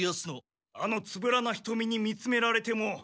あのつぶらなひとみに見つめられても。